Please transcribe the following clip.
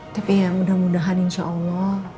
tapi ya mudah mudahan insya allah